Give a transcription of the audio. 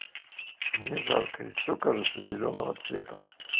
Мне жарко, и всё кажется зелёного цвета.